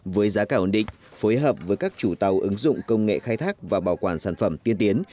với giá cả ổn định phối hợp với các chủ tàu ứng dụng công nghệ khai thác và bảo quản sản phẩm tiên tiến